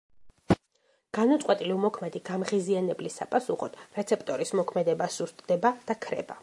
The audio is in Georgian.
განუწყვეტლივ მოქმედი გამღიზიანებლის საპასუხოდ რეცეპტორის მოქმედება სუსტდება და ქრება.